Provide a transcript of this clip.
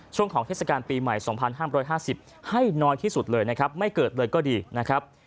ช่วงของเทศกาลปีใหม่๒๕๕๐ให้น้อยที่สุดเลยนะครับไม่เกิดเลยก็ดีนะครับ